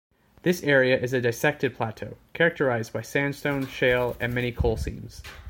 This area is a dissected plateau, characterized by sandstone, shale, and many coal seams.